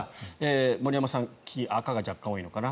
森山さん、赤が若干多いのかな。